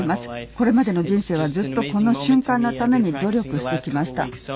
これまでの人生はずっとこの瞬間のために努力してきました。